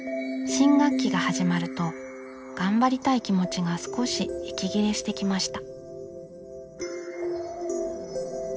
新学期が始まると頑張りたい気持ちが少し息切れしてきました。